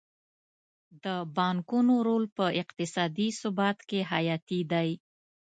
د بانکونو رول په اقتصادي ثبات کې حیاتي دی.